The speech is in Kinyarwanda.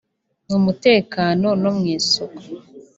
mu mutekano no mu isuku